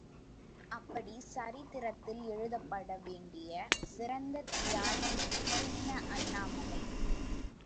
அப்படி சரித்திரத்தில் எழுதப்பட வேண்டிய சிறந்த தியாகி சின்ன அண்ணாமலை.